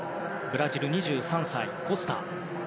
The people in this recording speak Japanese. ブラジル２３歳、コスタ。